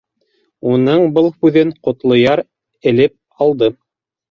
Уның был һүҙен Ҡотлояр элеп алды: